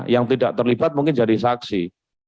yang tidak terlibat mungkin jadi saksi